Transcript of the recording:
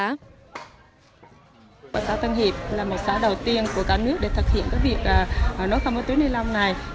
xã tân hiệp là một xã đầu tiên của cả nước để thực hiện việc nối khăm với túi ni lông này